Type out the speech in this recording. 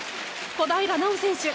小平奈緒選手